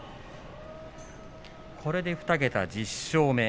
これで２桁１０勝目。